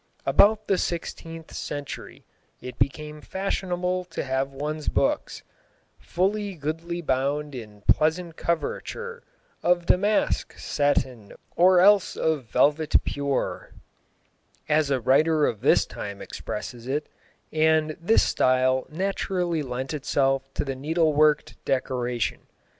About the sixteenth century it became fashionable to have one's books "Full goodly bound in pleasant coverture Of damask, satin, or else of velvet pure," as a writer of the time expresses it, and this style naturally lent itself to the needleworked decoration.